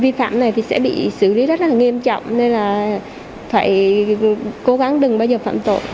vi phạm này thì sẽ bị xử lý rất là nghiêm trọng nên là phải cố gắng đừng bao giờ phạm tội